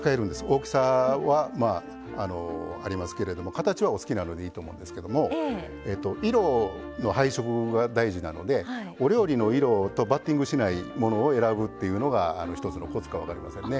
大きさはありますけれども形はお好きなのでいいと思うんですけども色の配色が大事なのでお料理の色とバッティングしないものを選ぶっていうのが一つのコツか分かりませんね。